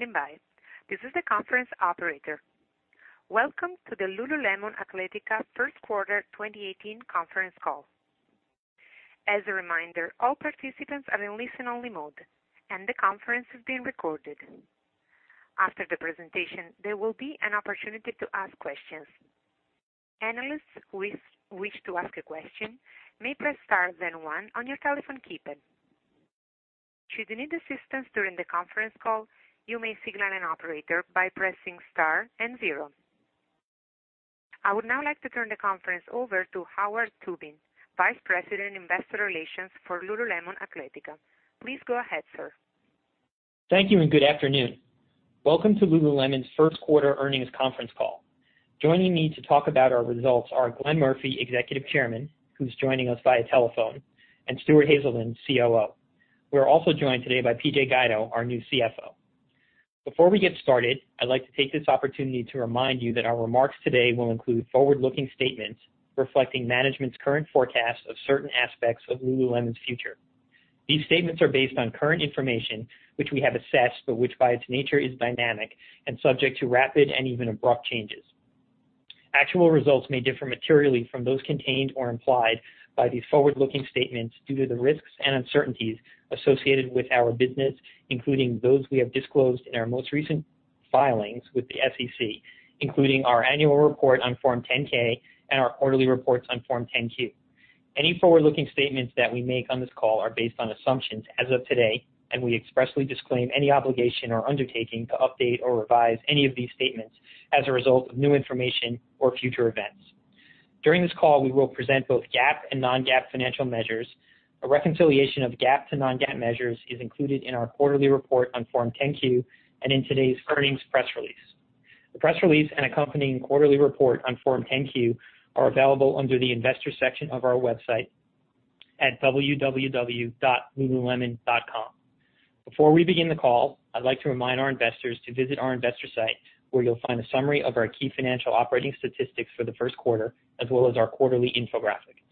Thank you for standing by. This is the conference operator. Welcome to the Lululemon Athletica first quarter 2018 conference call. As a reminder, all participants are in listen only mode, and the conference is being recorded. After the presentation, there will be an opportunity to ask questions. Analysts who wish to ask a question may press star then one on your telephone keypad. Should you need assistance during the conference call, you may signal an operator by pressing star and zero. I would now like to turn the conference over to Howard Tubin, Vice President, Investor Relations for Lululemon Athletica. Please go ahead, sir. Thank you. Good afternoon. Welcome to Lululemon's first quarter earnings conference call. Joining me to talk about our results are Glenn Murphy, Executive Chairman, who's joining us via telephone, and Stuart Haselden, COO. We're also joined today by PJ Guido, our new CFO. Before we get started, I'd like to take this opportunity to remind you that our remarks today will include forward-looking statements reflecting management's current forecast of certain aspects of Lululemon's future. These statements are based on current information, which we have assessed, but which by its nature is dynamic and subject to rapid and even abrupt changes. Actual results may differ materially from those contained or implied by these forward-looking statements due to the risks and uncertainties associated with our business, including those we have disclosed in our most recent filings with the SEC, including our annual report on Form 10-K and our quarterly reports on Form 10-Q. Any forward-looking statements that we make on this call are based on assumptions as of today. We expressly disclaim any obligation or undertaking to update or revise any of these statements as a result of new information or future events. During this call, we will present both GAAP and non-GAAP financial measures. A reconciliation of GAAP to non-GAAP measures is included in our quarterly report on Form 10-Q and in today's earnings press release. The press release and accompanying quarterly report on Form 10-Q are available under the investor section of our website at www.lululemon.com. Before we begin the call, I'd like to remind our investors to visit our investor site, where you'll find a summary of our key financial operating statistics for the first quarter, as well as our quarterly infographic.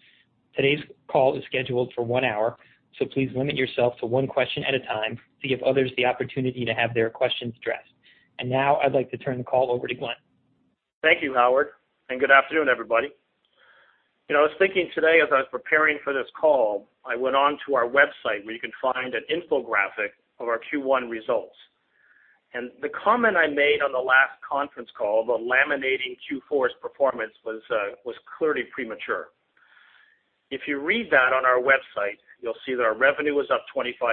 Today's call is scheduled for one hour, so please limit yourself to one question at a time to give others the opportunity to have their questions addressed. Now I'd like to turn the call over to Glenn. Thank you, Howard, and good afternoon, everybody. I was thinking today as I was preparing for this call, I went on to our website where you can find an infographic of our Q1 results. The comment I made on the last conference call about laminating Q4's performance was clearly premature. If you read that on our website, you'll see that our revenue is up 25%. I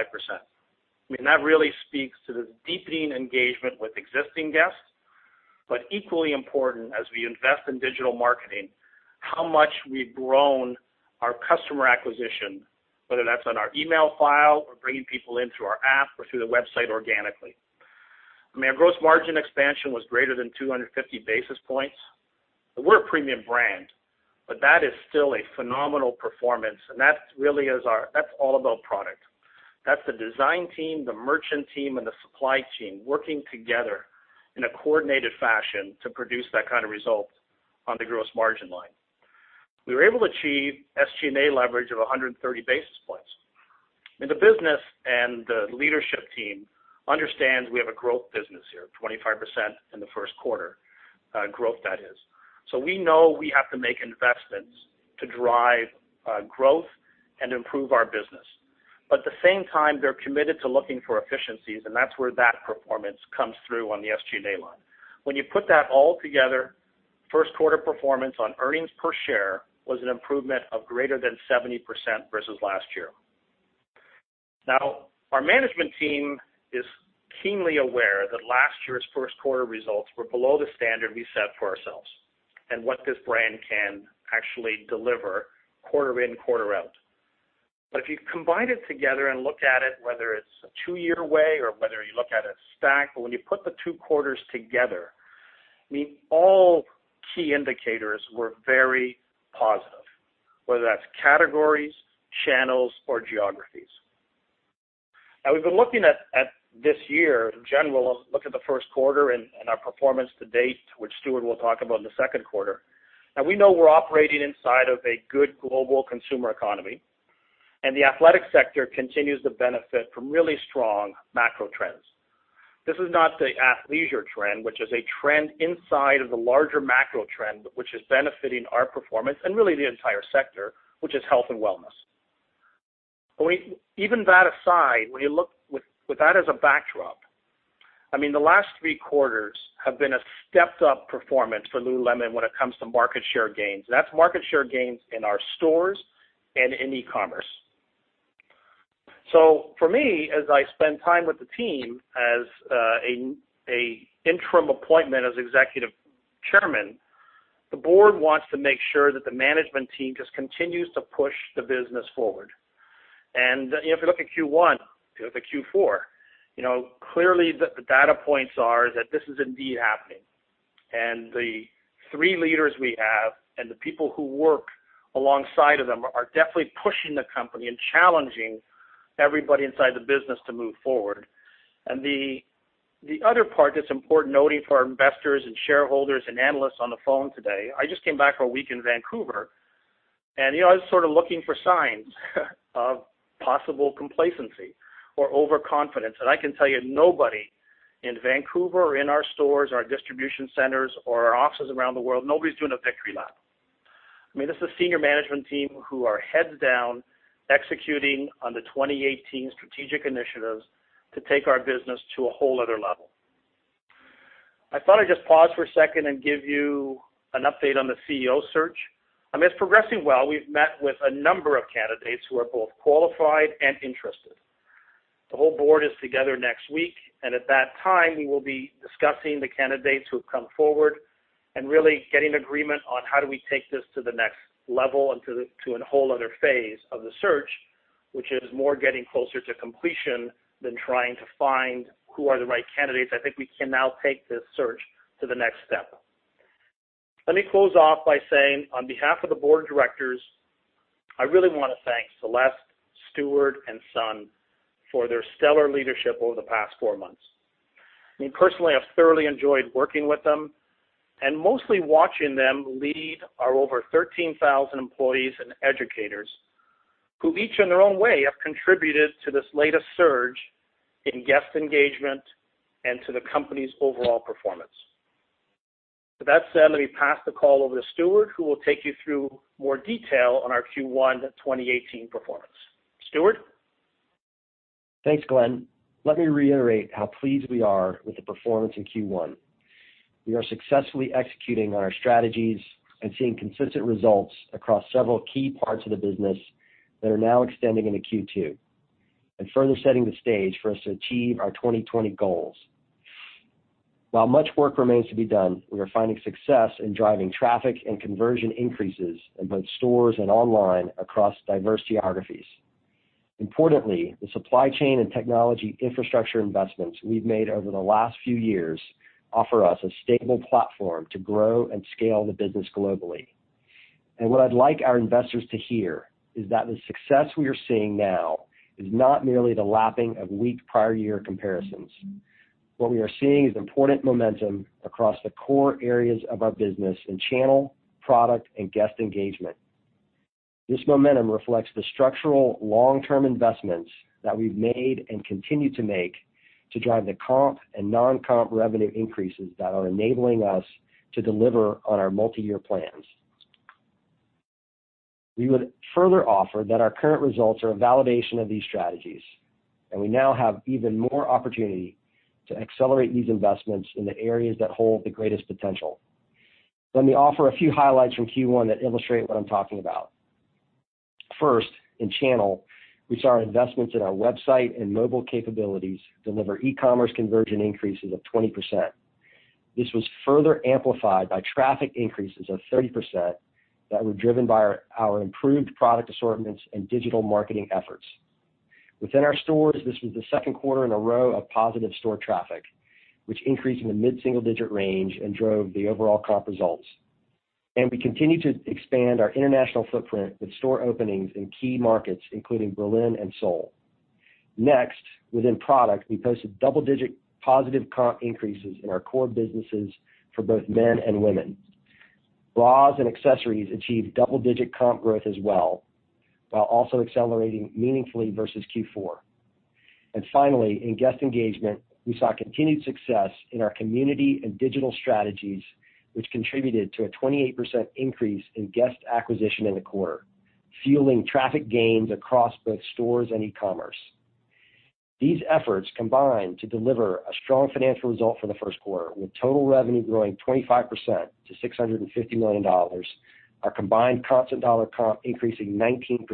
mean, that really speaks to the deepening engagement with existing guests. Equally important, as we invest in digital marketing, how much we've grown our customer acquisition, whether that's on our email file or bringing people in through our app or through the website organically. I mean, our gross margin expansion was greater than 250 basis points. We're a premium brand, but that is still a phenomenal performance, and that's all about product. That's the design team, the merchant team, and the supply chain working together in a coordinated fashion to produce that kind of result on the gross margin line. We were able to achieve SG&A leverage of 130 basis points. The business and the leadership team understands we have a growth business here, 25% in the first quarter, growth that is. We know we have to make investments to drive growth and improve our business. At the same time, they're committed to looking for efficiencies, and that's where that performance comes through on the SG&A line. When you put that all together, first quarter performance on earnings per share was an improvement of greater than 70% versus last year. Our management team is keenly aware that last year's first quarter results were below the standard we set for ourselves and what this brand can actually deliver quarter in, quarter out. If you combine it together and look at it, whether it's a two year way or whether you look at a stack, but when you put the two quarters together, I mean, all key indicators were very positive, whether that's categories, channels, or geographies. We've been looking at this year in general, look at the first quarter and our performance to date, which Stuart will talk about in the second quarter. We know we're operating inside of a good global consumer economy, and the athletic sector continues to benefit from really strong macro trends. This is not the athleisure trend, which is a trend inside of the larger macro trend, which is benefiting our performance and really the entire sector, which is health and wellness. Even that aside, when you look with that as a backdrop, I mean, the last three quarters have been a stepped up performance for Lululemon when it comes to market share gains, and that's market share gains in our stores and in e-commerce. For me, as I spend time with the team as an interim appointment as executive chairman, the board wants to make sure that the management team just continues to push the business forward. If you look at Q1, if you look at Q4, clearly the data points are that this is indeed happening. The three leaders we have and the people who work alongside of them are definitely pushing the company and challenging everybody inside the business to move forward. The other part that's important noting for our investors and shareholders and analysts on the phone today, I just came back from a week in Vancouver. I was sort of looking for signs of possible complacency or overconfidence. I can tell you, nobody in Vancouver or in our stores, our distribution centers, or our offices around the world, nobody's doing a victory lap. This is a senior management team who are heads down executing on the 2018 strategic initiatives to take our business to a whole other level. I thought I'd just pause for a second and give you an update on the CEO search. It's progressing well. We've met with a number of candidates who are both qualified and interested. The whole board is together next week, and at that time, we will be discussing the candidates who have come forward and really getting agreement on how do we take this to the next level and to an whole other phase of the search, which is more getting closer to completion than trying to find who are the right candidates. I think we can now take this search to the next step. Let me close off by saying, on behalf of the board of directors, I really want to thank Celeste, Stuart, and Sun for their stellar leadership over the past four months. Me personally, I've thoroughly enjoyed working with them and mostly watching them lead our over 13,000 employees and educators who each in their own way have contributed to this latest surge in guest engagement and to the company's overall performance. With that said, let me pass the call over to Stuart, who will take you through more detail on our Q1 2018 performance. Stuart? Thanks, Glenn. Let me reiterate how pleased we are with the performance in Q1. We are successfully executing on our strategies and seeing consistent results across several key parts of the business that are now extending into Q2 and further setting the stage for us to achieve our 2020 goals. While much work remains to be done, we are finding success in driving traffic and conversion increases in both stores and online across diverse geographies. Importantly, the supply chain and technology infrastructure investments we've made over the last few years offer us a stable platform to grow and scale the business globally. What I'd like our investors to hear is that the success we are seeing now is not merely the lapping of weak prior year comparisons. What we are seeing is important momentum across the core areas of our business in channel, product, and guest engagement. This momentum reflects the structural long-term investments that we've made and continue to make to drive the comp and non-comp revenue increases that are enabling us to deliver on our multi-year plans. We would further offer that our current results are a validation of these strategies. We now have even more opportunity to accelerate these investments in the areas that hold the greatest potential. Let me offer a few highlights from Q1 that illustrate what I'm talking about. First, in channel, we saw investments in our website and mobile capabilities deliver e-commerce conversion increases of 20%. This was further amplified by traffic increases of 30% that were driven by our improved product assortments and digital marketing efforts. Within our stores, this was the second quarter in a row of positive store traffic, which increased in the mid-single digit range and drove the overall comp results. We continue to expand our international footprint with store openings in key markets, including Berlin and Seoul. Next, within product, we posted double-digit positive comp increases in our core businesses for both men and women. Bras and accessories achieved double-digit comp growth as well, while also accelerating meaningfully versus Q4. Finally, in guest engagement, we saw continued success in our community and digital strategies, which contributed to a 28% increase in guest acquisition in the quarter, fueling traffic gains across both stores and e-commerce. These efforts combined to deliver a strong financial result for the first quarter, with total revenue growing 25% to $650 million. Our combined constant dollar comp increasing 19%,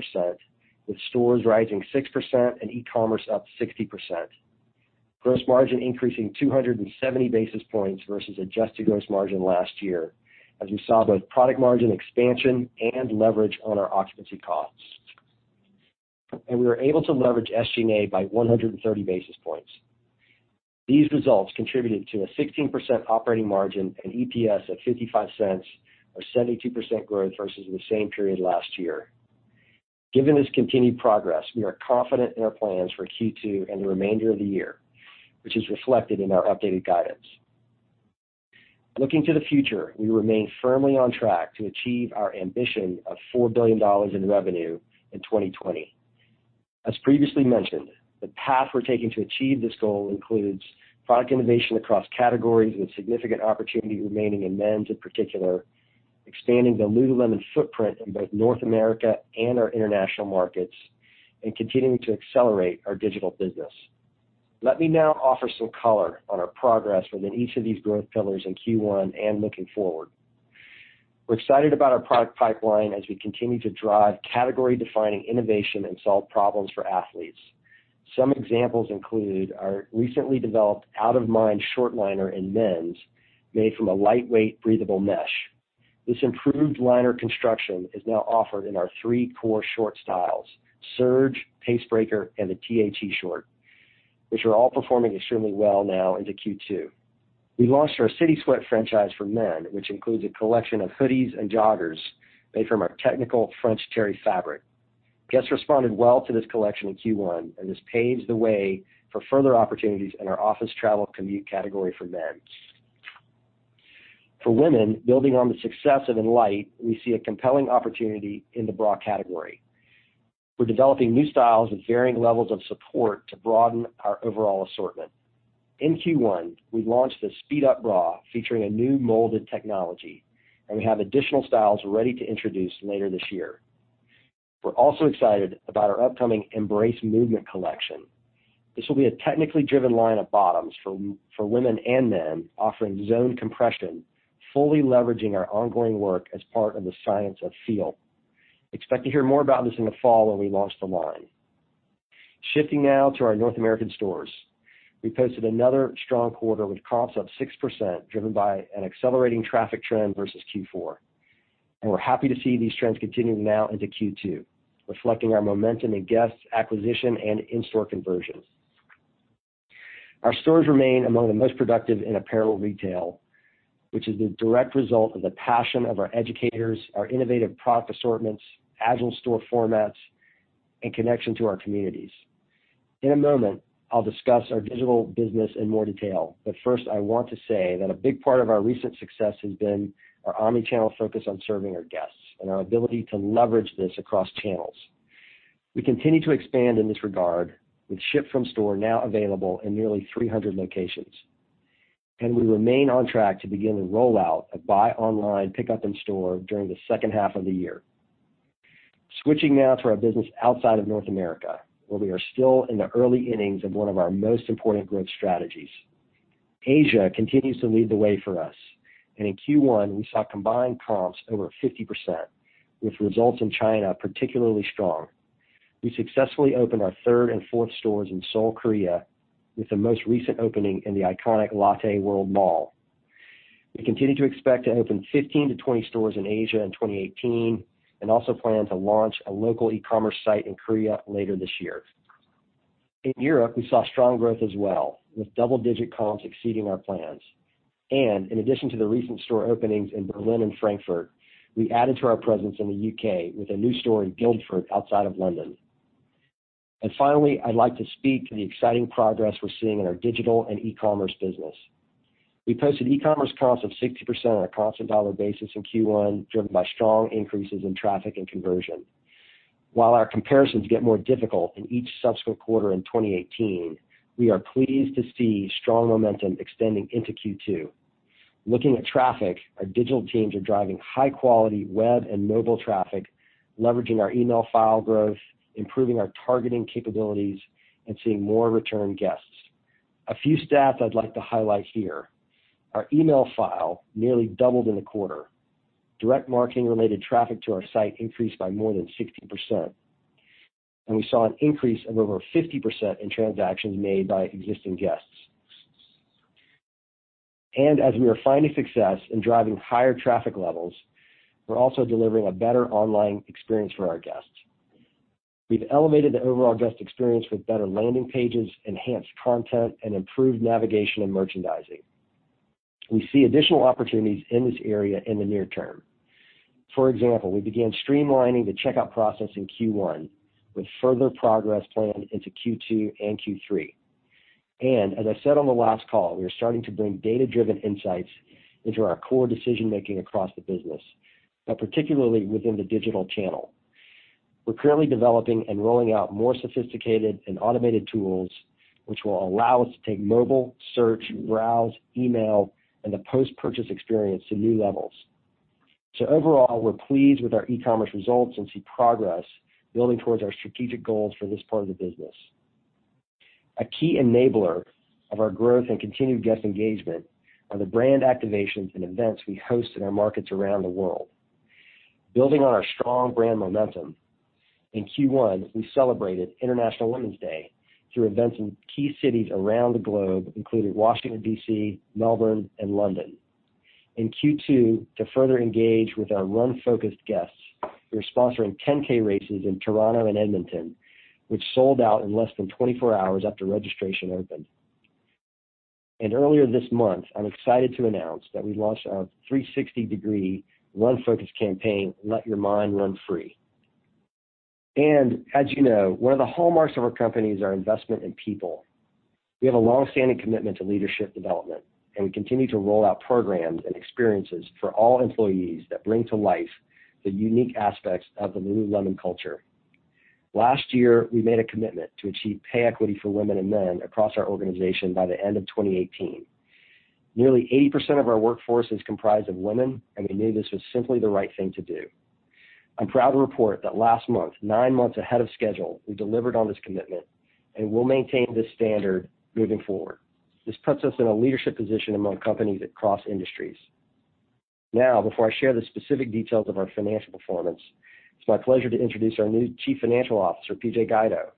with stores rising 6% and e-commerce up 60%. Gross margin increasing 270 basis points versus adjusted gross margin last year, as we saw both product margin expansion and leverage on our occupancy costs. We were able to leverage SG&A by 130 basis points. These results contributed to a 16% operating margin and EPS of $0.55, a 72% growth versus the same period last year. Given this continued progress, we are confident in our plans for Q2 and the remainder of the year, which is reflected in our updated guidance. Looking to the future, we remain firmly on track to achieve our ambition of $4 billion in revenue in 2020. As previously mentioned, the path we're taking to achieve this goal includes product innovation across categories with significant opportunity remaining in men's in particular, expanding the Lululemon footprint in both North America and our international markets, continuing to accelerate our digital business. Let me now offer some color on our progress within each of these growth pillars in Q1 and looking forward. We're excited about our product pipeline as we continue to drive category-defining innovation and solve problems for athletes. Some examples include our recently developed Out of Mind short liner in men's, made from a lightweight, breathable mesh. This improved liner construction is now offered in our three core short styles, Surge, Pace Breaker, and the T.H.E. Short, which are all performing extremely well now into Q2. We launched our City Sweat franchise for men, which includes a collection of hoodies and joggers made from our technical French Terry fabric. Guests responded well to this collection in Q1. This paves the way for further opportunities in our office travel commute category for men. For women, building on the success of Enlite, we see a compelling opportunity in the bra category. We're developing new styles with varying levels of support to broaden our overall assortment. In Q1, we launched the Speed Up Bra, featuring a new molded technology, and we have additional styles ready to introduce later this year. We're also excited about our upcoming Embrace Movement collection. This will be a technically driven line of bottoms for women and men offering Zone Compression, fully leveraging our ongoing work as part of the Science of Feel. Expect to hear more about this in the fall when we launch the line. Shifting now to our North American stores. We posted another strong quarter with comps up 6%, driven by an accelerating traffic trend versus Q4. We're happy to see these trends continuing now into Q2, reflecting our momentum in guest acquisition and in-store conversions. Our stores remain among the most productive in apparel retail, which is the direct result of the passion of our educators, our innovative product assortments, agile store formats, and connection to our communities. In a moment, I'll discuss our digital business in more detail. First, I want to say that a big part of our recent success has been our omni-channel focus on serving our guests and our ability to leverage this across channels. We continue to expand in this regard with ship from store now available in nearly 300 locations. We remain on track to begin the rollout of buy online, pickup in store during the second half of the year. Switching now to our business outside of North America, where we are still in the early innings of one of our most important growth strategies. Asia continues to lead the way for us. In Q1, we saw combined comps over 50%, with results in China particularly strong. We successfully opened our third and fourth stores in Seoul, Korea, with the most recent opening in the iconic Lotte World Mall. We continue to expect to open 15-20 stores in Asia in 2018 and also plan to launch a local e-commerce site in Korea later this year. In Europe, we saw strong growth as well, with double-digit comps exceeding our plans. In addition to the recent store openings in Berlin and Frankfurt, we added to our presence in the U.K. with a new store in Guildford outside of London. Finally, I'd like to speak to the exciting progress we're seeing in our digital and e-commerce business. We posted e-commerce comps of 60% on a constant dollar basis in Q1, driven by strong increases in traffic and conversion. While our comparisons get more difficult in each subsequent quarter in 2018, we are pleased to see strong momentum extending into Q2. Looking at traffic, our digital teams are driving high-quality web and mobile traffic, leveraging our email file growth, improving our targeting capabilities, and seeing more return guests. A few stats I'd like to highlight here. Our email file nearly doubled in the quarter. Direct marketing-related traffic to our site increased by more than 60%. We saw an increase of over 50% in transactions made by existing guests. As we are finding success in driving higher traffic levels, we're also delivering a better online experience for our guests. We've elevated the overall guest experience with better landing pages, enhanced content, and improved navigation and merchandising. We see additional opportunities in this area in the near term. For example, we began streamlining the checkout process in Q1, with further progress planned into Q2 and Q3. As I said on the last call, we are starting to bring data-driven insights into our core decision-making across the business, but particularly within the digital channel. We're currently developing and rolling out more sophisticated and automated tools, which will allow us to take mobile, search, browse, email, and the post-purchase experience to new levels. Overall, we're pleased with our e-commerce results and see progress building towards our strategic goals for this part of the business. A key enabler of our growth and continued guest engagement are the brand activations and events we host in our markets around the world. Building on our strong brand momentum, in Q1, we celebrated International Women's Day through events in key cities around the globe, including Washington, D.C., Melbourne, and London. In Q2, to further engage with our run-focused guests, we are sponsoring 10K races in Toronto and Edmonton, which sold out in less than 24 hours after registration opened. Earlier this month, I'm excited to announce that we launched our 360-degree run-focused campaign, Let Your Mind Run Free. As you know, one of the hallmarks of our company is our investment in people. We have a long-standing commitment to leadership development, and we continue to roll out programs and experiences for all employees that bring to life the unique aspects of the lululemon culture. Last year, we made a commitment to achieve pay equity for women and men across our organization by the end of 2018. Nearly 80% of our workforce is comprised of women, and we knew this was simply the right thing to do. I'm proud to report that last month, nine months ahead of schedule, we delivered on this commitment, and we'll maintain this standard moving forward. This puts us in a leadership position among companies across industries. Before I share the specific details of our financial performance, it's my pleasure to introduce our new Chief Financial Officer, PJ Guido.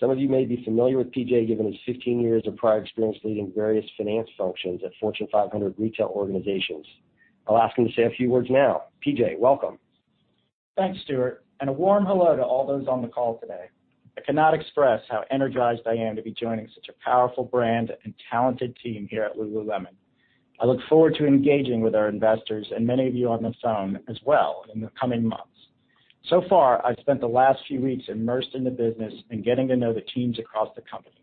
Some of you may be familiar with PJ given his 15 years of prior experience leading various finance functions at Fortune 500 retail organizations. I'll ask him to say a few words now. PJ, welcome. Thanks, Stuart, a warm hello to all those on the call today. I cannot express how energized I am to be joining such a powerful brand and talented team here at lululemon. I look forward to engaging with our investors and many of you on the phone as well in the coming months. So far, I've spent the last few weeks immersed in the business and getting to know the teams across the company.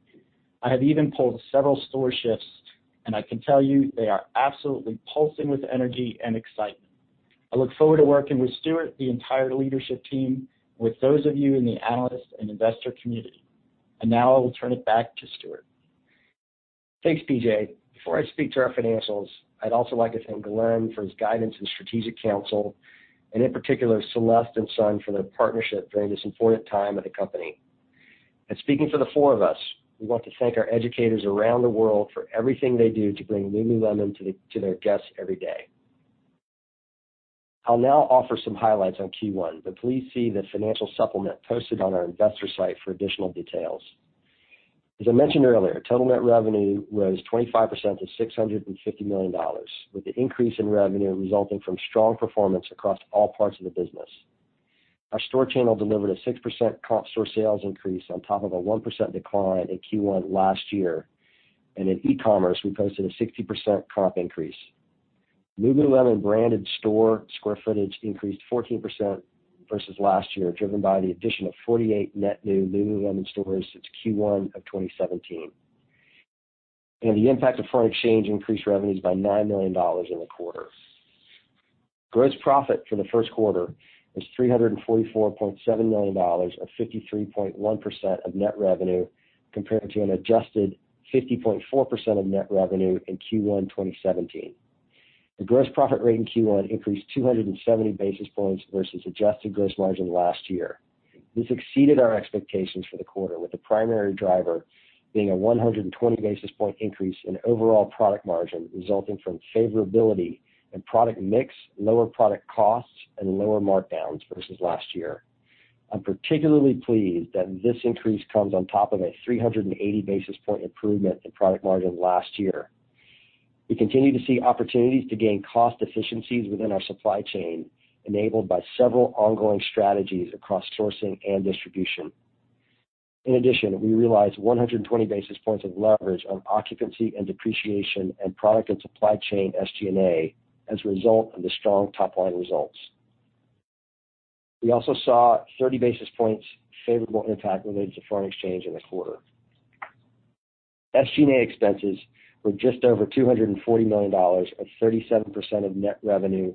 I have even pulled several store shifts, and I can tell you they are absolutely pulsing with energy and excitement. I look forward to working with Stuart, the entire leadership team, with those of you in the analyst and investor community. Now I will turn it back to Stuart. Thanks, PJ. Before I speak to our financials, I would also like to thank Glenn for his guidance and strategic counsel, and in particular, Celeste and Sun for their partnership during this important time at the company. Speaking for the four of us, we want to thank our educators around the world for everything they do to bring lululemon to their guests every day. I will now offer some highlights on Q1, but please see the financial supplement posted on our investor site for additional details. As I mentioned earlier, total net revenue rose 25% to $650 million, with the increase in revenue resulting from strong performance across all parts of the business. Our store channel delivered a 6% comp store sales increase on top of a 1% decline in Q1 last year. In e-commerce, we posted a 60% comp increase. lululemon branded store square footage increased 14% versus last year, driven by the addition of 48 net new lululemon stores since Q1 of 2017. The impact of foreign exchange increased revenues by $9 million in the quarter. Gross profit for the first quarter was $344.7 million, or 53.1% of net revenue, compared to an adjusted 50.4% of net revenue in Q1 2017. The gross profit rate in Q1 increased 270 basis points versus adjusted gross margin last year. This exceeded our expectations for the quarter, with the primary driver being a 120 basis point increase in overall product margin, resulting from favorability in product mix, lower product costs, and lower markdowns versus last year. I am particularly pleased that this increase comes on top of a 380 basis point improvement in product margin last year. We continue to see opportunities to gain cost efficiencies within our supply chain, enabled by several ongoing strategies across sourcing and distribution. In addition, we realized 120 basis points of leverage on occupancy and depreciation and product and supply chain SG&A as a result of the strong top-line results. We also saw 30 basis points favorable impact related to foreign exchange in the quarter. SG&A expenses were just over $240 million, or 37% of net revenue,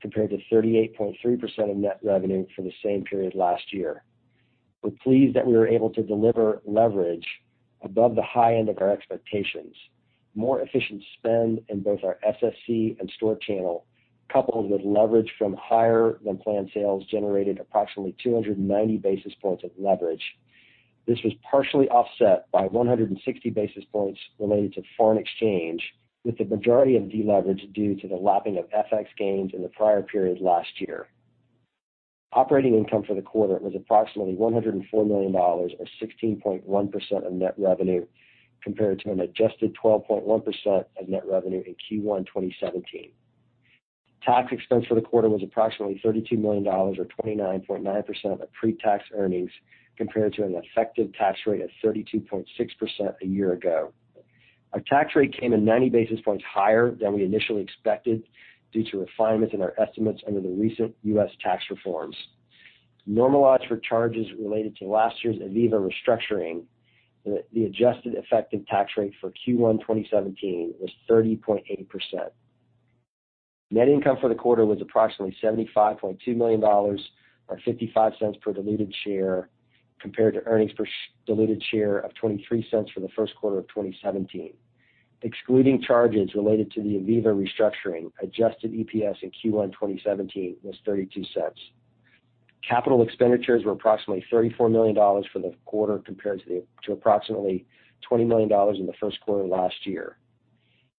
compared to 38.3% of net revenue for the same period last year. We are pleased that we were able to deliver leverage above the high end of our expectations. More efficient spend in both our SSC and store channel, coupled with leverage from higher-than-planned sales, generated approximately 290 basis points of leverage. This was partially offset by 160 basis points related to foreign exchange, with the majority of deleverage due to the lapping of FX gains in the prior period last year. Operating income for the quarter was approximately $104 million, or 16.1% of net revenue, compared to an adjusted 12.1% of net revenue in Q1 2017. Tax expense for the quarter was approximately $32 million, or 29.9% of our pre-tax earnings, compared to an effective tax rate of 32.6% a year ago. Our tax rate came in 90 basis points higher than we initially expected due to refinements in our estimates under the recent U.S. tax reforms. Normalized for charges related to last year's ivivva restructuring, the adjusted effective tax rate for Q1 2017 was 30.8%. Net income for the quarter was approximately $75.2 million, or $0.55 per diluted share, compared to earnings per diluted share of $0.23 for the first quarter of 2017. Excluding charges related to the ivivva restructuring, adjusted EPS in Q1 2017 was $0.32. Capital expenditures were approximately $34 million for the quarter compared to approximately $20 million in the first quarter last year.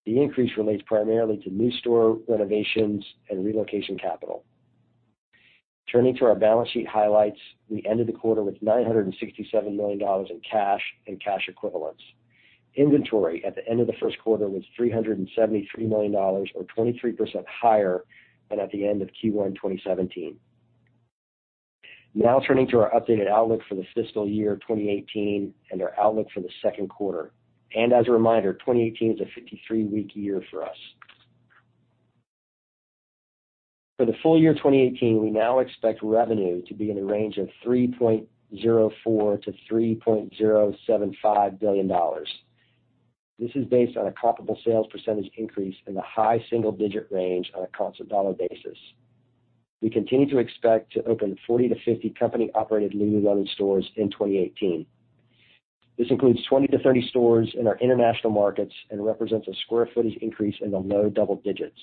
The increase relates primarily to new store renovations and relocation capital. Turning to our balance sheet highlights, we ended the quarter with $967 million in cash and cash equivalents. Inventory at the end of the first quarter was $373 million, or 23% higher than at the end of Q1 2017. Turning to our updated outlook for FY 2018 and our outlook for the second quarter. As a reminder, 2018 is a 53-week year for us. For FY 2018, we now expect revenue to be in the range of $3.04 billion-$3.075 billion. This is based on a comparable sales percentage increase in the high single-digit range on a constant dollar basis. We continue to expect to open 40-50 company-operated lululemon stores in 2018. This includes 20-30 stores in our international markets and represents a square footage increase in the low double digits.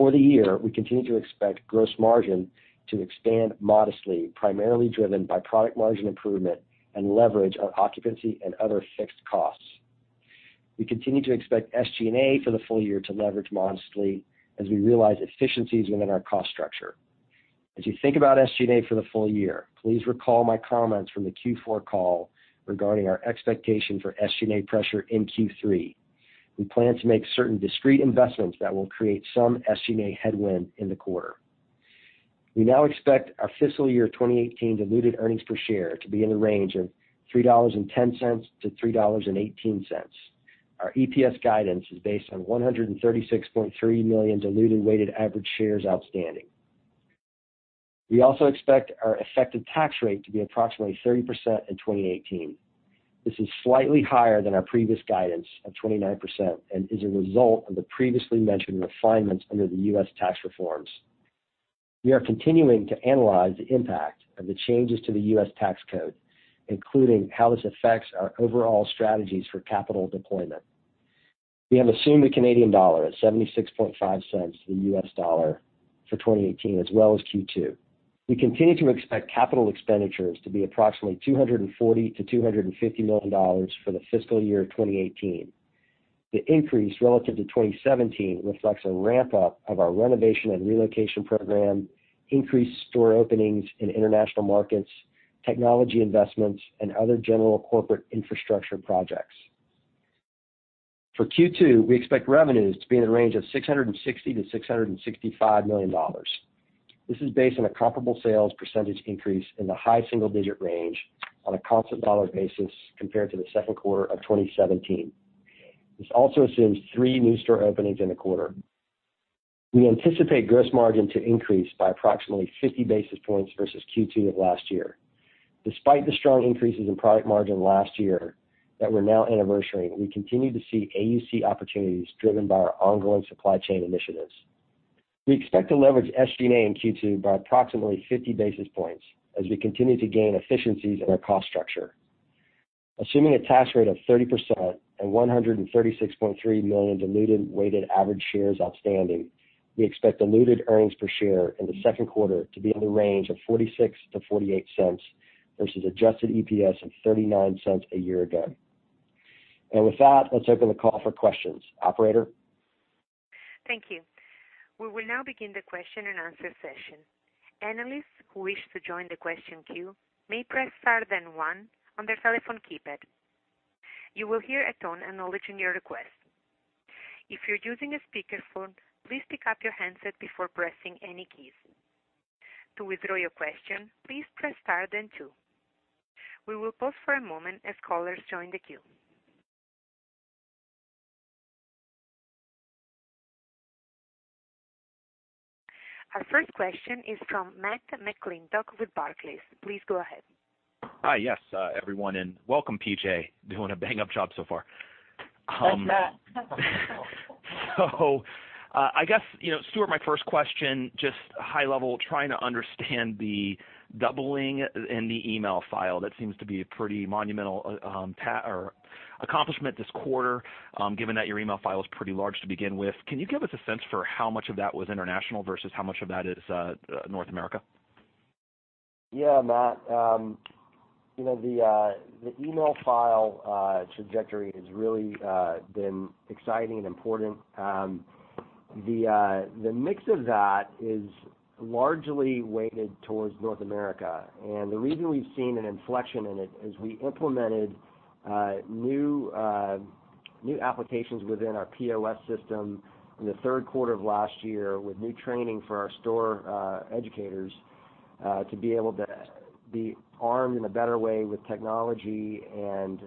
For the year, we continue to expect gross margin to expand modestly, primarily driven by product margin improvement and leverage on occupancy and other fixed costs. We continue to expect SG&A for the full year to leverage modestly as we realize efficiencies within our cost structure. As you think about SG&A for the full year, please recall my comments from the Q4 call regarding our expectation for SG&A pressure in Q3. We plan to make certain discrete investments that will create some SG&A headwind in the quarter. We now expect our FY 2018 diluted earnings per share to be in the range of $3.10-$3.18. Our EPS guidance is based on 136.3 million diluted weighted average shares outstanding. We also expect our effective tax rate to be approximately 30% in 2018. This is slightly higher than our previous guidance of 29% and is a result of the previously mentioned refinements under the U.S. tax reforms. We are continuing to analyze the impact of the changes to the U.S. tax code, including how this affects our overall strategies for capital deployment. We have assumed the Canadian dollar at $0.765 to the U.S. dollar for 2018 as well as Q2. We continue to expect capital expenditures to be approximately $240 million-$250 million for FY 2018. The increase relative to 2017 reflects a ramp-up of our renovation and relocation program, increased store openings in international markets, technology investments, and other general corporate infrastructure projects. For Q2, we expect revenues to be in the range of $660 million-$665 million. This is based on a comparable sales percentage increase in the high single-digit range on a constant dollar basis compared to the second quarter of 2017. This also assumes three new store openings in the quarter. We anticipate gross margin to increase by approximately 50 basis points versus Q2 of last year. Despite the strong increases in product margin last year that we're now anniversarying, we continue to see AUC opportunities driven by our ongoing supply chain initiatives. We expect to leverage SG&A in Q2 by approximately 50 basis points as we continue to gain efficiencies in our cost structure. Assuming a tax rate of 30% and 136.3 million diluted weighted average shares outstanding, we expect diluted earnings per share in the second quarter to be in the range of $0.46-$0.48 versus adjusted EPS of $0.39 a year ago. With that, let's open the call for questions. Operator. Thank you. We will now begin the question and answer session. Analysts who wish to join the question queue may press star then one on their telephone keypad. You will hear a tone acknowledging your request. If you're using a speakerphone, please pick up your handset before pressing any keys. To withdraw your question, please press star then two. We will pause for a moment as callers join the queue. Our first question is from Matthew McClintock with Barclays. Please go ahead. Hi, yes, everyone, welcome, PJ. Doing a bang-up job so far. Thanks, Matt. I guess, Stuart, my first question, just high level, trying to understand the doubling in the email file. That seems to be a pretty monumental accomplishment this quarter, given that your email file is pretty large to begin with. Can you give us a sense for how much of that was international versus how much of that is North America? Yeah, Matt. The email file trajectory has really been exciting and important. The mix of that is largely weighted towards North America. The reason we've seen an inflection in it is we implemented new applications within our POS system in the third quarter of last year with new training for our store educators to be able to be armed in a better way with technology and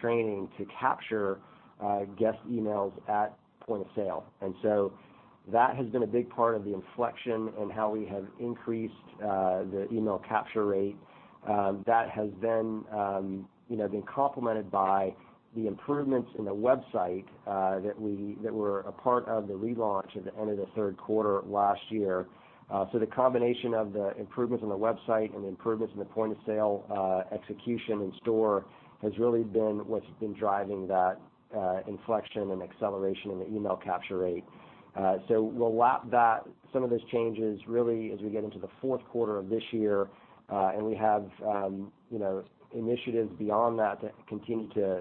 training to capture guest emails at point of sale. That has been a big part of the inflection in how we have increased the email capture rate. That has then been complemented by the improvements in the website that were a part of the relaunch at the end of the third quarter last year. The combination of the improvements in the website and the improvements in the point-of-sale execution in store has really been what's been driving that inflection and acceleration in the email capture rate. We'll lap some of those changes really as we get into the fourth quarter of this year. We have initiatives beyond that to continue to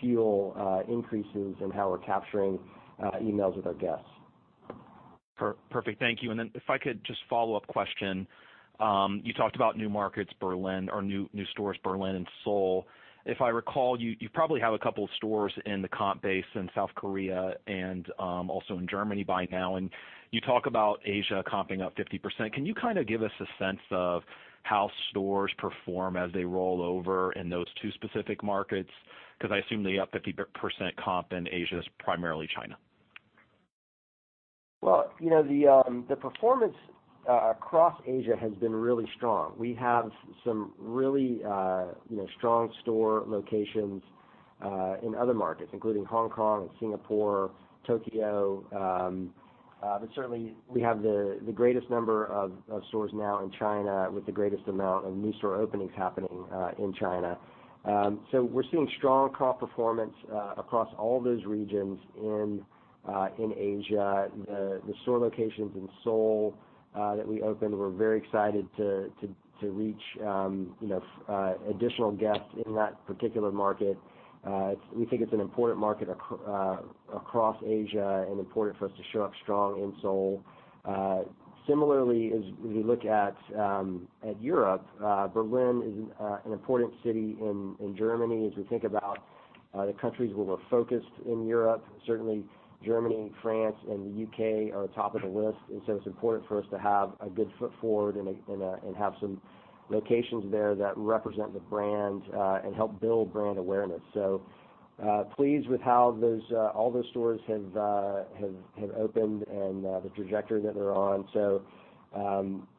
fuel increases in how we're capturing emails with our guests. Perfect. Thank you. If I could, just a follow-up question. You talked about new markets, Berlin, or new stores, Berlin and Seoul. If I recall, you probably have a couple stores in the comp base in South Korea and also in Germany by now, and you talk about Asia comping up 50%. Can you kind of give us a sense of how stores perform as they roll over in those two specific markets? I assume the up 50% comp in Asia is primarily China. The performance across Asia has been really strong. We have some really strong store locations in other markets, including Hong Kong, Singapore, Tokyo. We have the greatest number of stores now in China with the greatest amount of new store openings happening in China. We're seeing strong comp performance across all those regions in Asia. The store locations in Seoul that we opened, we're very excited to reach additional guests in that particular market. We think it's an important market across Asia and important for us to show up strong in Seoul. Similarly, as we look at Europe, Berlin is an important city in Germany. As we think about the countries where we're focused in Europe, Germany, France, and the U.K. are top of the list. It's important for us to have a good foot forward and have some locations there that represent the brand and help build brand awareness. Pleased with how all those stores have opened and the trajectory that they're on.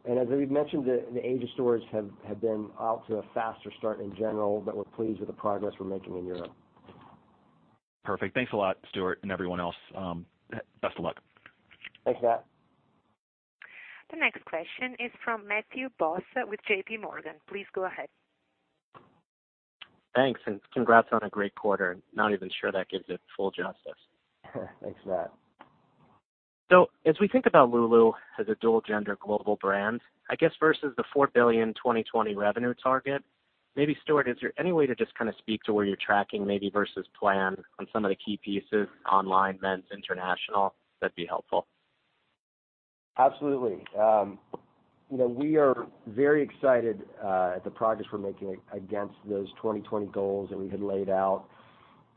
As we've mentioned, the Asia stores have been off to a faster start in general, but we're pleased with the progress we're making in Europe. Perfect. Thanks a lot, Stuart, and everyone else. Best of luck. Thanks, Matt. The next question is from Matthew Boss with JPMorgan. Please go ahead. Thanks, congrats on a great quarter. Not even sure that gives it full justice. Thanks for that. As we think about Lulu as a dual-gender global brand, I guess versus the $4 billion 2020 revenue target, maybe Stuart, is there any way to just speak to where you're tracking maybe versus plan on some of the key pieces, online, men's, international? That'd be helpful. Absolutely. We are very excited at the progress we're making against those 2020 goals that we had laid out.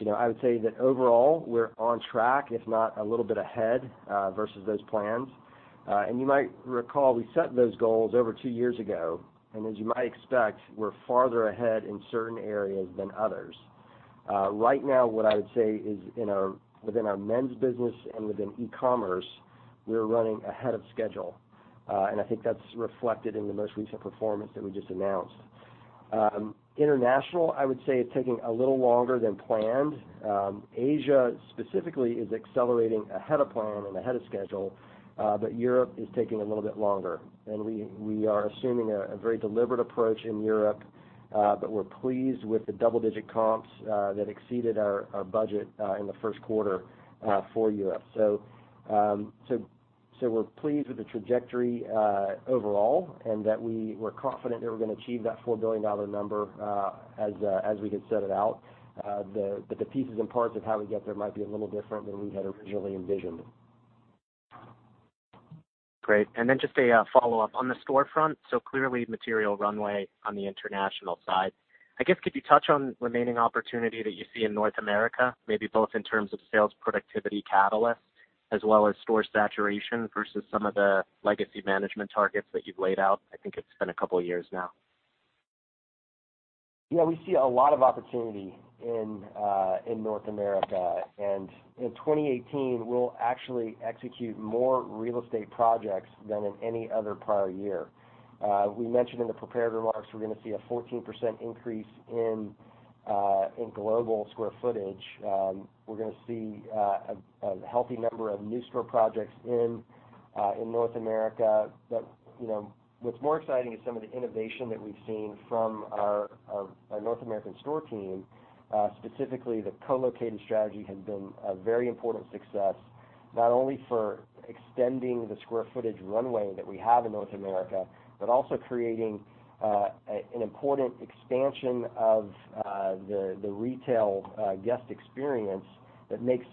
I would say that overall, we're on track, if not a little bit ahead, versus those plans. You might recall, we set those goals over two years ago, and as you might expect, we're farther ahead in certain areas than others. Right now, what I would say is within our men's business and within e-commerce, we are running ahead of schedule. I think that's reflected in the most recent performance that we just announced. International, I would say, is taking a little longer than planned. Asia specifically is accelerating ahead of plan and ahead of schedule, but Europe is taking a little bit longer. We are assuming a very deliberate approach in Europe, but we're pleased with the double-digit comps, that exceeded our budget in the first quarter for Europe. We're pleased with the trajectory overall, and that we were confident that we're going to achieve that $4 billion number as we had set it out. The pieces and parts of how we get there might be a little different than we had originally envisioned. Great. Just a follow-up. On the storefront, clearly material runway on the international side. I guess, could you touch on remaining opportunity that you see in North America, maybe both in terms of sales productivity catalysts as well as store saturation versus some of the legacy management targets that you've laid out? I think it's been a couple of years now. Yeah, we see a lot of opportunity in North America. In 2018, we'll actually execute more real estate projects than in any other prior year. We mentioned in the prepared remarks, we're going to see a 14% increase in global square footage. We're going to see a healthy number of new store projects in North America. What's more exciting is some of the innovation that we've seen from our North American store team. Specifically, the co-located strategy has been a very important success, not only for extending the square footage runway that we have in North America, but also creating an important expansion of the retail guest experience that makes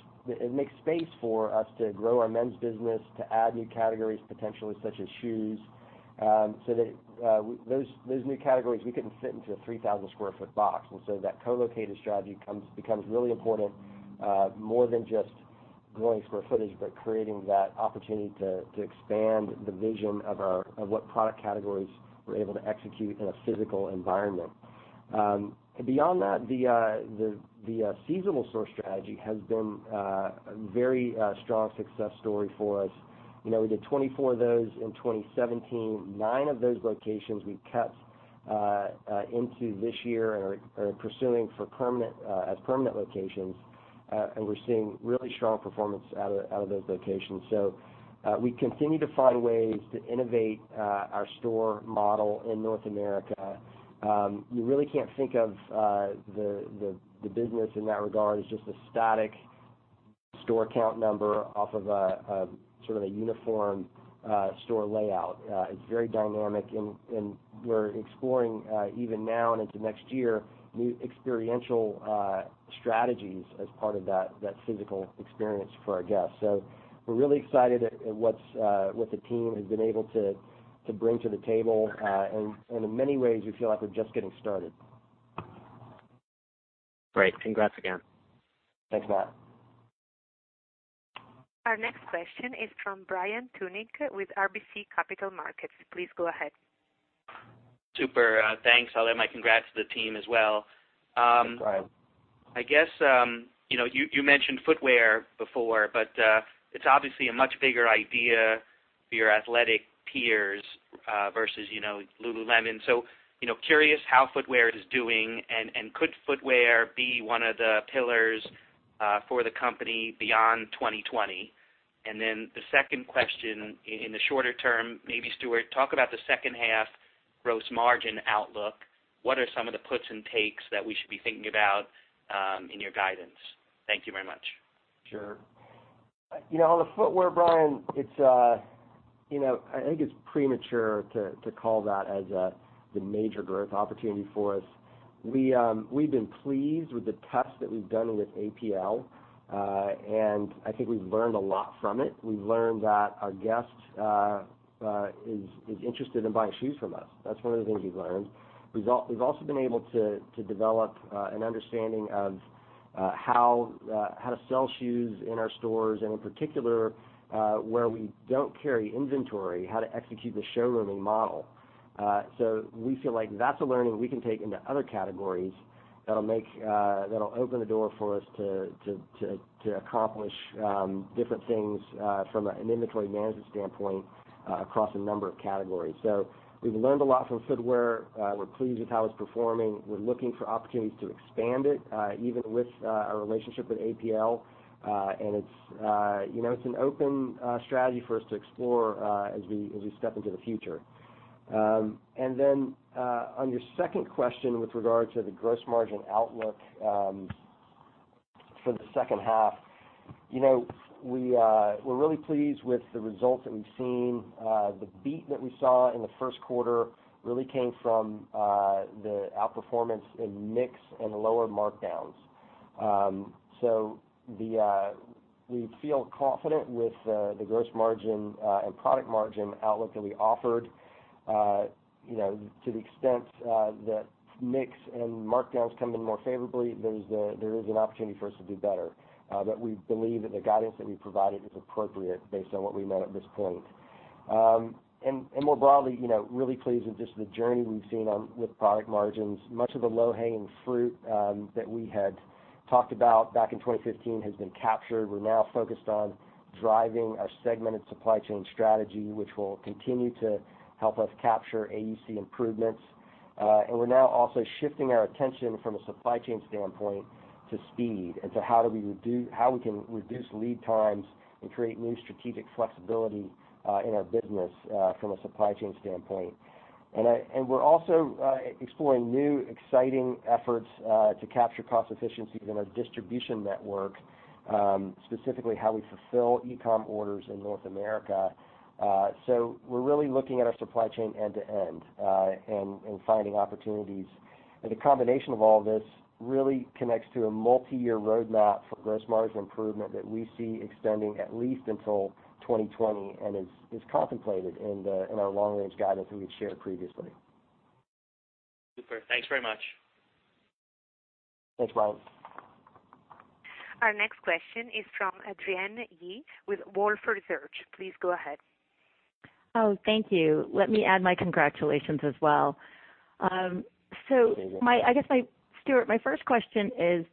space for us to grow our men's business, to add new categories, potentially such as shoes. Those new categories, we couldn't fit into a 3,000 square foot box. That co-located strategy becomes really important, more than just growing square footage, but creating that opportunity to expand the vision of what product categories we're able to execute in a physical environment. Beyond that, the seasonal store strategy has been a very strong success story for us. We did 24 of those in 2017. Nine of those locations we've kept into this year and are pursuing as permanent locations, and we're seeing really strong performance out of those locations. We continue to find ways to innovate our store model in North America. You really can't think of the business in that regard as just a static store count number off of a uniform store layout. It's very dynamic, and we're exploring even now and into next year, new experiential strategies as part of that physical experience for our guests. We're really excited at what the team has been able to bring to the table. In many ways, we feel like we're just getting started. Great. Congrats again. Thanks, Matt. Our next question is from Brian Tunick with RBC Capital Markets. Please go ahead. Super. Thanks. I'll add my congrats to the team as well. Thanks, Brian. I guess, you mentioned footwear before, but it's obviously a much bigger idea for your athletic peers versus Lululemon. Curious how footwear is doing, and could footwear be one of the pillars for the company beyond 2020? The second question, in the shorter term, maybe Stuart, talk about the second half gross margin outlook. What are some of the puts and takes that we should be thinking about in your guidance? Thank you very much. Sure. On the footwear, Brian, I think it's premature to call that as the major growth opportunity for us. We've been pleased with the tests that we've done with APL. I think we've learned a lot from it. We've learned that our guest is interested in buying shoes from us. That's one of the things we've learned. We've also been able to develop an understanding of how to sell shoes in our stores, and in particular, where we don't carry inventory, how to execute the showrooming model. We feel like that's a learning we can take into other categories That'll open the door for us to accomplish different things from an inventory management standpoint across a number of categories. We've learned a lot from footwear. We're pleased with how it's performing. We're looking for opportunities to expand it, even with our relationship with APL. It's an open strategy for us to explore as we step into the future. Then, on your second question with regard to the gross margin outlook for the second half. We're really pleased with the results that we've seen. The beat that we saw in the first quarter really came from the outperformance in mix and lower markdowns. We feel confident with the gross margin and product margin outlook that we offered. To the extent that mix and markdowns come in more favorably, there is an opportunity for us to do better. We believe that the guidance that we provided is appropriate based on what we know at this point. More broadly, really pleased with just the journey we've seen with product margins. Much of the low-hanging fruit that we had talked about back in 2015 has been captured. We're now focused on driving our segmented supply chain strategy, which will continue to help us capture AUC improvements. We're now also shifting our attention from a supply chain standpoint to speed and to how we can reduce lead times and create new strategic flexibility in our business from a supply chain standpoint. We're also exploring new, exciting efforts to capture cost efficiencies in our distribution network, specifically how we fulfill e-com orders in North America. We're really looking at our supply chain end to end and finding opportunities. The combination of all this really connects to a multi-year roadmap for gross margin improvement that we see extending at least until 2020 and is contemplated in our long-range guidance that we had shared previously. Super. Thanks very much. Thanks, Brian. Our next question is from Adrienne Yih with Wolfe Research. Please go ahead. Oh, thank you. Let me add my congratulations as well. Thank you. Stuart, my first question is,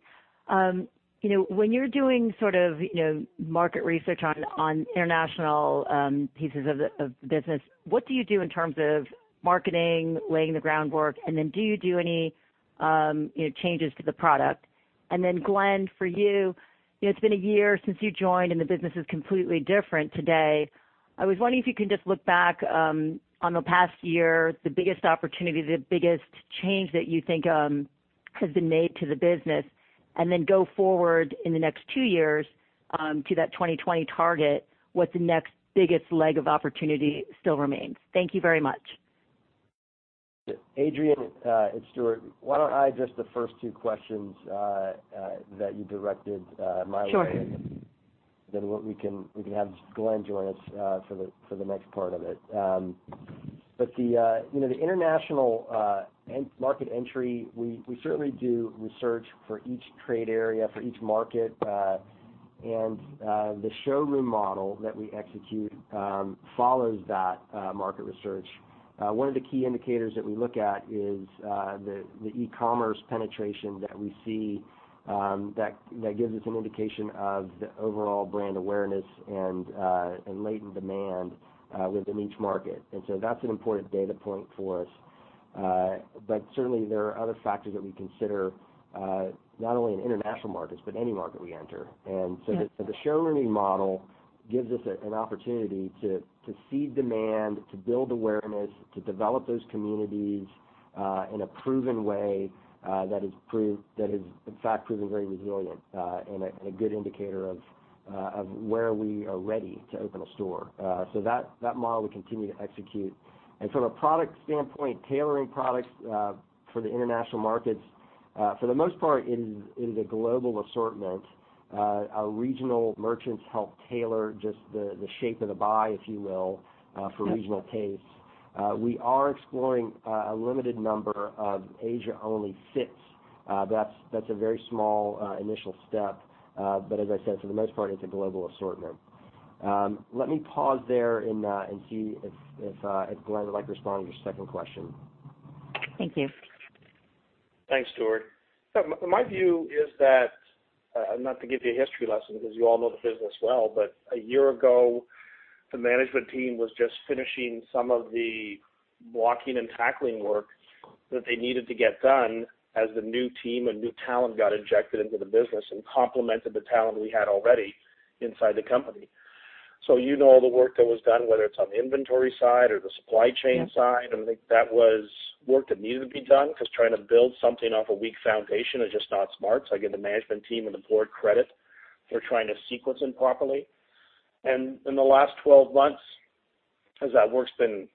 when you're doing sort of market research on international pieces of the business, what do you do in terms of marketing, laying the groundwork, and then do you do any changes to the product? Glenn, for you, it's been a year since you joined and the business is completely different today. I was wondering if you can just look back on the past year, the biggest opportunity, the biggest change that you think has been made to the business, and then go forward in the next two years to that 2020 target, what the next biggest leg of opportunity still remains. Thank you very much. Adrienne, it's Stuart. Why don't I address the first two questions that you directed my way. Sure. We can have Glenn join us for the next part of it. The international market entry, we certainly do research for each trade area, for each market. The showroom model that we execute follows that market research. One of the key indicators that we look at is the e-commerce penetration that we see that gives us an indication of the overall brand awareness and latent demand within each market. That's an important data point for us. Certainly, there are other factors that we consider, not only in international markets, but any market we enter. The showrooming model gives us an opportunity to seed demand, to build awareness, to develop those communities in a proven way that has in fact proven very resilient and a good indicator of where we are ready to open a store. That model we continue to execute. From a product standpoint, tailoring products for the international markets, for the most part, it is a global assortment. Our regional merchants help tailor just the shape of the buy, if you will, for regional tastes. We are exploring a limited number of Asia-only fits. That's a very small initial step. As I said, for the most part, it's a global assortment. Let me pause there and see if Glenn would like to respond to your second question. Thank you. Thanks, Stuart. My view is that, not to give you a history lesson because you all know the business well, but a year ago, the management team was just finishing some of the blocking and tackling work that they needed to get done as the new team and new talent got injected into the business and complemented the talent we had already inside the company. You know all the work that was done, whether it's on the inventory side or the supply chain side. I think that was work that needed to be done because trying to build something off a weak foundation is just not smart. I give the management team and the board credit for trying to sequence in properly. In the last 12 months, as that work's been.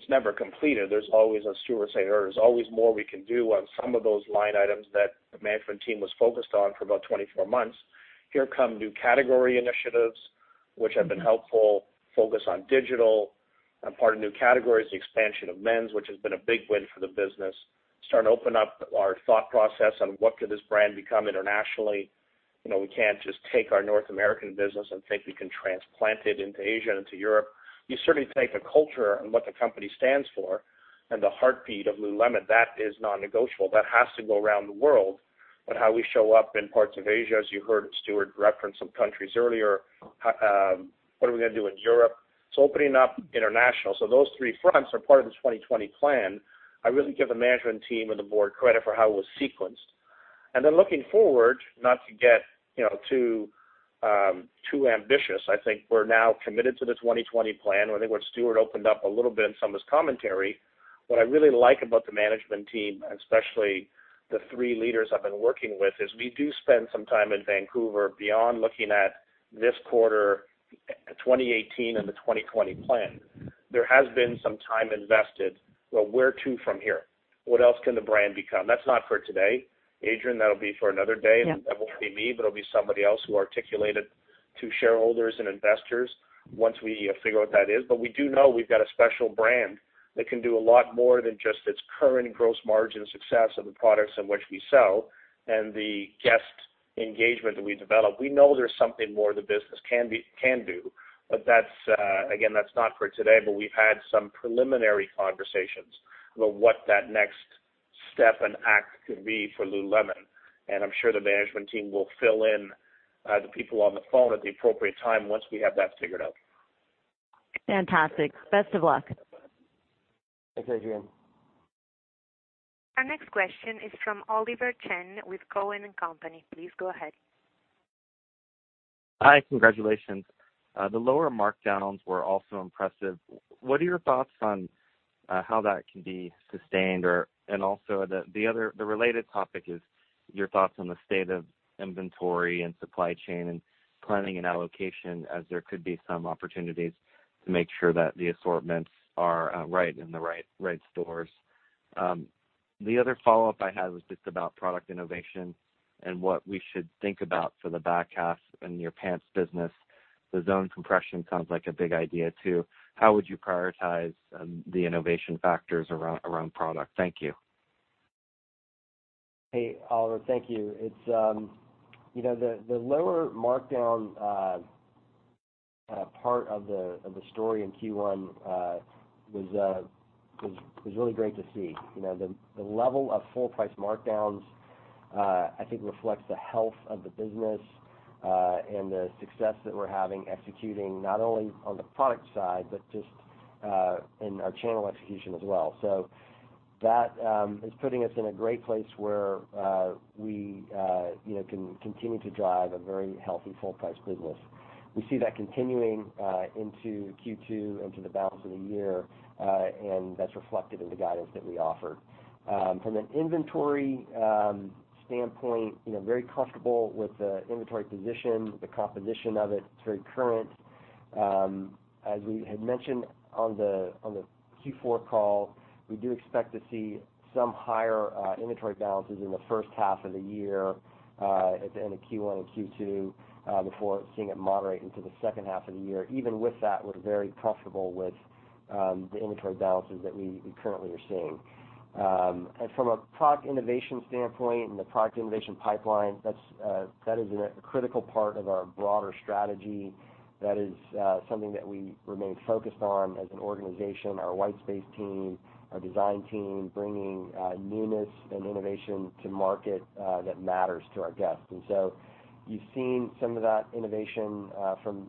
It's never completed. There's always, as Stuart was saying earlier, there's always more we can do on some of those line items that the management team was focused on for about 24 months. Here come new category initiatives, which have been helpful, focus on digital and part of new categories, the expansion of men's, which has been a big win for the business. Starting to open up our thought process on what could this brand become internationally. We can't just take our North American business and think we can transplant it into Asia and to Europe. You certainly take the culture and what the company stands for and the heartbeat of Lululemon, that is non-negotiable. That has to go around the world. How we show up in parts of Asia, as you heard Stuart reference some countries earlier, what are we going to do in Europe? Opening up international. Those three fronts are part of the 2020 plan. I really give the management team and the board credit for how it was sequenced. Looking forward, not to get too ambitious, I think we're now committed to the 2020 plan. I think what Stuart opened up a little bit in some of his commentary, what I really like about the management team, especially the three leaders I've been working with, is we do spend some time in Vancouver beyond looking at this quarter, 2018, and the 2020 plan. There has been some time invested. Well, where to from here? What else can the brand become? That's not for today, Adrienne, that'll be for another day. Yep. That won't be me, but it'll be somebody else who articulate it to shareholders and investors once we figure out what that is. We do know we've got a special brand that can do a lot more than just its current gross margin success of the products in which we sell and the guest engagement that we develop. We know there's something more the business can do. Again, that's not for today. We've had some preliminary conversations about what that next step and act could be for Lululemon, and I'm sure the management team will fill in the people on the phone at the appropriate time once we have that figured out. Fantastic. Best of luck. Thanks, Adrienne. Our next question is from Oliver Chen with Cowen and Company. Please go ahead. Hi. Congratulations. The lower markdowns were also impressive. What are your thoughts on how that can be sustained, and also the related topic is your thoughts on the state of inventory and supply chain and planning and allocation, as there could be some opportunities to make sure that the assortments are right in the right stores. The other follow-up I had was just about product innovation and what we should think about for the back half in your pants business. The Zone Compression sounds like a big idea, too. How would you prioritize the innovation factors around product? Thank you. Hey, Oliver. Thank you. The lower markdown part of the story in Q1 was really great to see. The level of full price markdowns I think reflects the health of the business, and the success that we're having executing not only on the product side, but just in our channel execution as well. That is putting us in a great place where we can continue to drive a very healthy full price business. We see that continuing into Q2, into the balance of the year, and that's reflected in the guidance that we offered. From an inventory standpoint, very comfortable with the inventory position, the composition of it. It's very current. As we had mentioned on the Q4 call, we do expect to see some higher inventory balances in the first half of the year, at the end of Q1 and Q2, before seeing it moderate into the second half of the year. Even with that, we're very comfortable with the inventory balances that we currently are seeing. From a product innovation standpoint and the product innovation pipeline, that is a critical part of our broader strategy. That is something that we remain focused on as an organization, our white space team, our design team, bringing newness and innovation to market that matters to our guests. You've seen some of that innovation from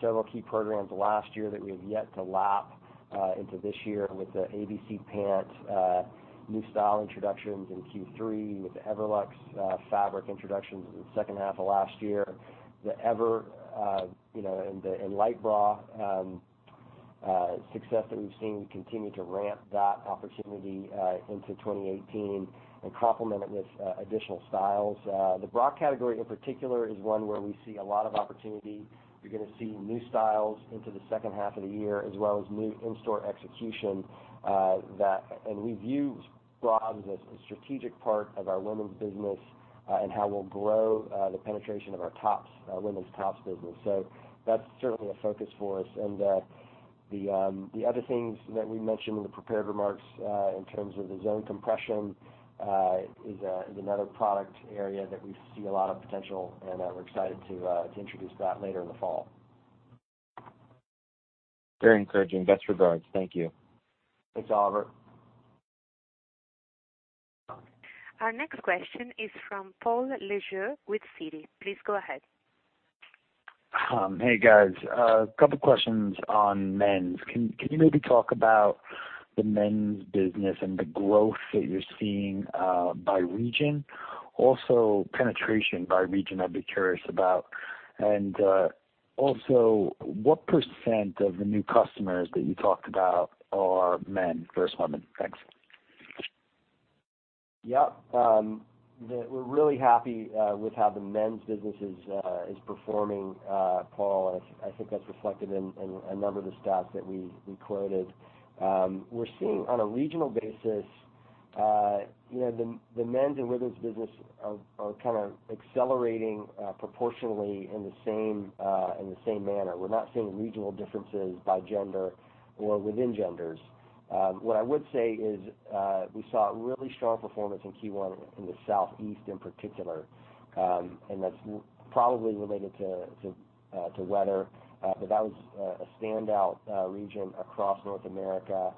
several key programs last year that we have yet to lap into this year with the ABC pants, new style introductions in Q3, with the Everlux fabric introductions in the second half of last year. The Enlite bra success that we've seen, we continue to ramp that opportunity into 2018 and complement it with additional styles. The bra category in particular is one where we see a lot of opportunity. You're going to see new styles into the second half of the year, as well as new in-store execution. We view bras as a strategic part of our women's business and how we'll grow the penetration of our women's tops business. That's certainly a focus for us. The other things that we mentioned in the prepared remarks, in terms of the Zone Compression, is another product area that we see a lot of potential, and we're excited to introduce that later in the fall. Very encouraging. Best regards. Thank you. Thanks, Oliver. Our next question is from Paul Lejuez with Citi. Please go ahead. Hey, guys. A couple questions on men's. Can you maybe talk about the men's business and the growth that you're seeing by region? Also penetration by region, I'd be curious about. Also, what % of the new customers that you talked about are men versus women? Thanks. Yep. We're really happy with how the men's business is performing, Paul, I think that's reflected in a number of the stats that we quoted. We're seeing on a regional basis, the men's and women's business are accelerating proportionally in the same manner. We're not seeing regional differences by gender or within genders. What I would say is, we saw really strong performance in Q1 in the Southeast in particular. That's probably related to weather. That was a standout region across North America.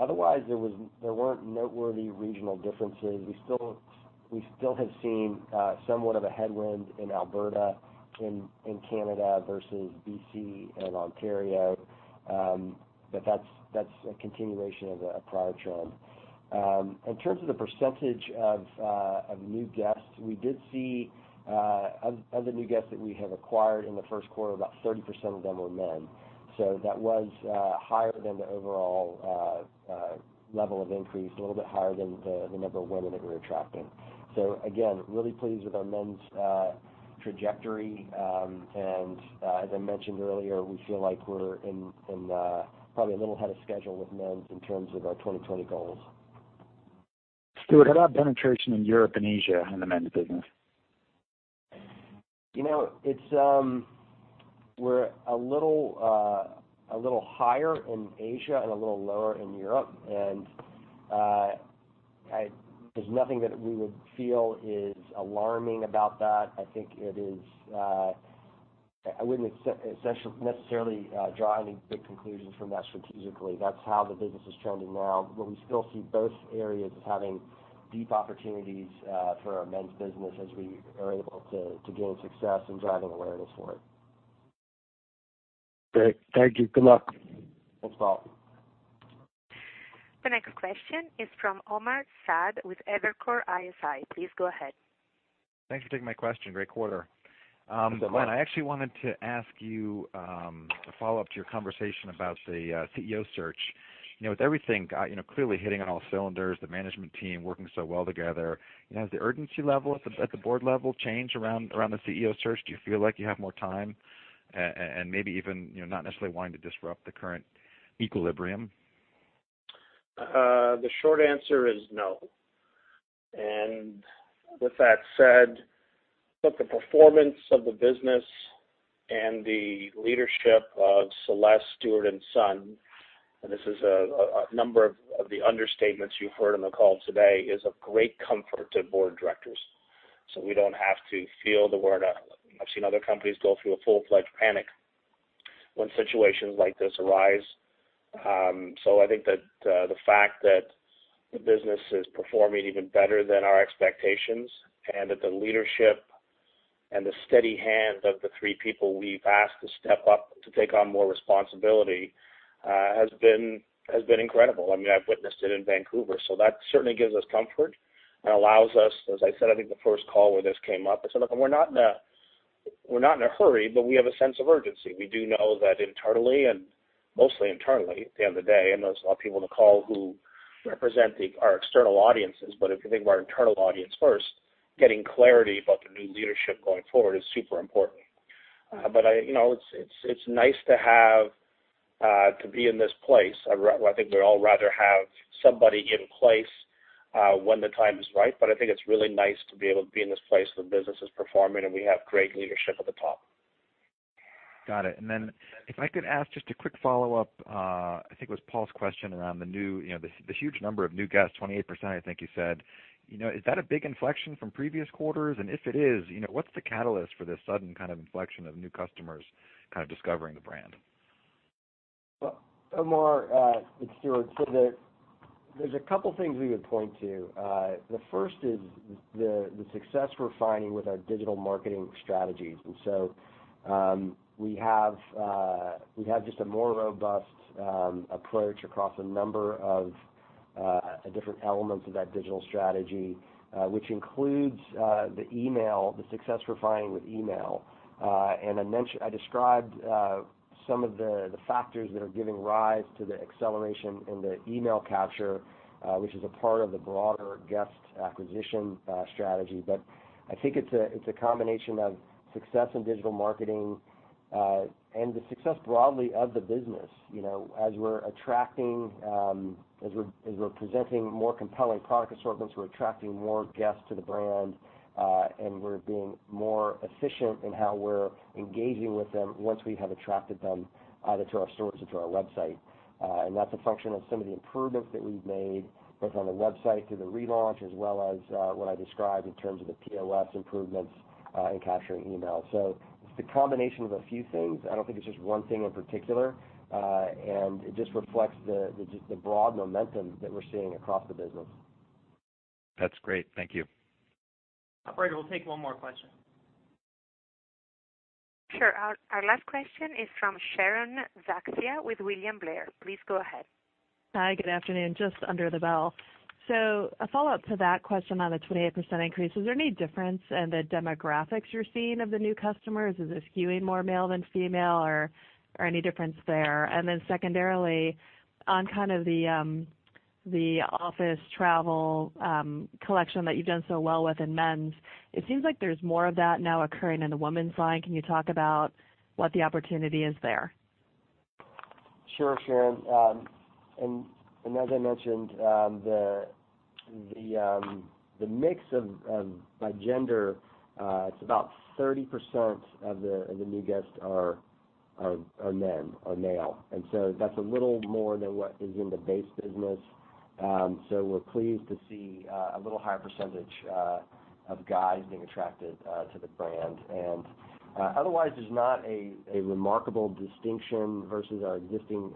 Otherwise, there weren't noteworthy regional differences. We still have seen somewhat of a headwind in Alberta, in Canada versus B.C. and Ontario. That's a continuation of a prior trend. In terms of the percentage of new guests, we did see, of the new guests that we have acquired in the first quarter, about 30% of them were men. That was higher than the overall level of increase, a little bit higher than the number of women that we're attracting. Again, really pleased with our men's trajectory. As I mentioned earlier, we feel like we're probably a little ahead of schedule with men's in terms of our 2020 goals. Stuart, how about penetration in Europe and Asia in the men's business? We're a little higher in Asia and a little lower in Europe. There's nothing that we would feel is alarming about that. I wouldn't necessarily draw any big conclusions from that strategically. That's how the business is trending now, we still see both areas as having deep opportunities for our men's business as we are able to gain success in driving awareness for it. Great. Thank you. Good luck. Thanks, Paul. The next question is from Omar Saad with Evercore ISI. Please go ahead. Thanks for taking my question. Great quarter. Thanks, Omar. Glenn, I actually wanted to ask you to follow up to your conversation about the CEO search. With everything clearly hitting on all cylinders, the management team working so well together, has the urgency level at the Board level changed around the CEO search? Do you feel like you have more time, and maybe even not necessarily wanting to disrupt the current equilibrium? The short answer is no. With that said, look, the performance of the business and the leadership of Celeste, Stuart, and Sun, and this is a number of the understatements you've heard on the call today, is of great comfort to Board of Directors. We don't have to feel the word I've seen other companies go through a full-fledged panic when situations like this arise. I think that the fact that the business is performing even better than our expectations and that the leadership and the steady hand of the three people we've asked to step up to take on more responsibility has been incredible. I've witnessed it in Vancouver, that certainly gives us comfort and allows us, as I said, I think the first call where this came up, I said, "Look, we're not in a hurry, but we have a sense of urgency." We do know that internally and mostly internally at the end of the day, I know there's a lot of people on the call who represent our external audiences. If you think of our internal audience first, getting clarity about the new leadership going forward is super important. It's nice to be in this place. I think we'd all rather have somebody in place when the time is right, I think it's really nice to be able to be in this place where the business is performing and we have great leadership at the top. Got it. If I could ask just a quick follow-up. I think it was Paul's question around the huge number of new guests, 28%, I think you said. Is that a big inflection from previous quarters? If it is, what's the catalyst for this sudden inflection of new customers discovering the brand? Omar, it's Stuart. There's a couple things we would point to. The first is the success we're finding with our digital marketing strategies. We have just a more robust approach across a number of different elements of that digital strategy, which includes the success we're finding with email. I described some of the factors that are giving rise to the acceleration in the email capture, which is a part of the broader guest acquisition strategy. I think it's a combination of success in digital marketing, and the success broadly of the business. As we're presenting more compelling product assortments, we're attracting more guests to the brand, and we're being more efficient in how we're engaging with them once we have attracted them either to our stores or to our website. That's a function of some of the improvements that we've made, both on the website through the relaunch, as well as what I described in terms of the POS improvements in capturing email. It's the combination of a few things. I don't think it's just one thing in particular. It just reflects the broad momentum that we're seeing across the business. That's great. Thank you. Operator, we'll take one more question. Sure. Our last question is from Sharon Zackfia with William Blair. Please go ahead. Hi, good afternoon. Just under the bell. A follow-up to that question on the 28% increase. Is there any difference in the demographics you're seeing of the new customers? Is it skewing more male than female or any difference there? Then secondarily, on the office travel collection that you've done so well with in men's, it seems like there's more of that now occurring in the women's line. Can you talk about what the opportunity is there? Sure, Sharon. As I mentioned the mix by gender, it's about 30% of the new guests are men, are male. That's a little more than what is in the base business. We're pleased to see a little higher percentage of guys being attracted to the brand. Otherwise, there's not a remarkable distinction versus our existing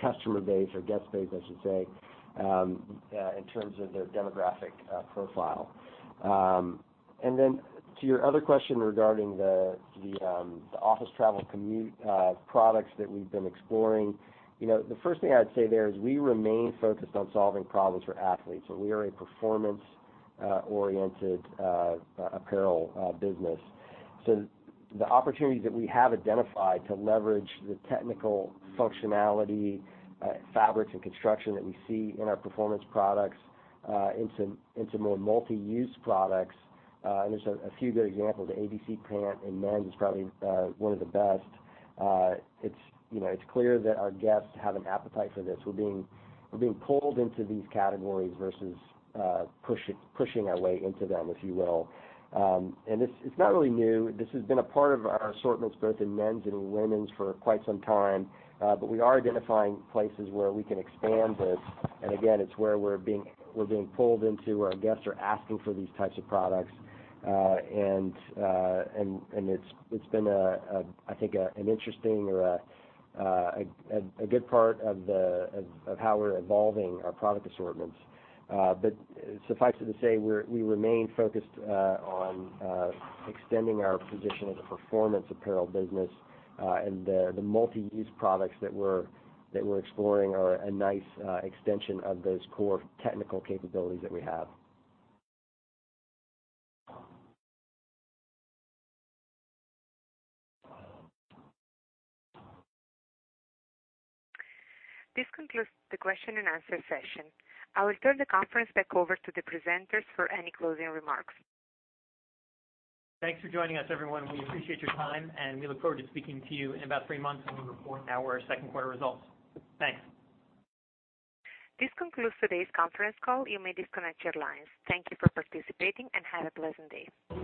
customer base or guest base, I should say, in terms of their demographic profile. Then to your other question regarding the office travel commute products that we've been exploring. The first thing I'd say there is we remain focused on solving problems for athletes. We are a performance-oriented apparel business. The opportunities that we have identified to leverage the technical functionality, fabrics, and construction that we see in our performance products into more multi-use products. There's a few good examples. The ABC pant in men's is probably one of the best. It's clear that our guests have an appetite for this. We're being pulled into these categories versus pushing our way into them, if you will. It's not really new. This has been a part of our assortments both in men's and women's for quite some time. We are identifying places where we can expand this. Again, it's where we're being pulled into, where our guests are asking for these types of products. It's been, I think, an interesting or a good part of how we're evolving our product assortments. Suffice it to say, we remain focused on extending our position as a performance apparel business. The multi-use products that we're exploring are a nice extension of those core technical capabilities that we have. This concludes the question and answer session. I will turn the conference back over to the presenters for any closing remarks. Thanks for joining us, everyone. We appreciate your time, and we look forward to speaking to you in about three months when we report our second quarter results. Thanks. This concludes today's conference call. You may disconnect your lines. Thank you for participating, and have a pleasant day.